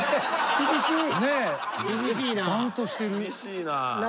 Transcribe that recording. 厳しいな。